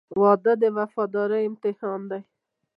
• واده د وفادارۍ امتحان دی.